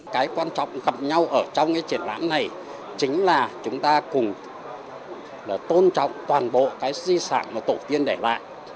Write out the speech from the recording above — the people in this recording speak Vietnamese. cái quan trọng gặp nhau ở trong cái triển lãm này chính là chúng ta cùng tôn trọng toàn bộ cái di sản mà tổ tiên để lại